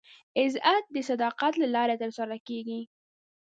عزت د صداقت له لارې ترلاسه کېږي.